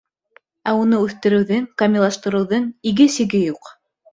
Ә уны үҫтереүҙең, камиллаштырыуҙың иге-сиге юҡ.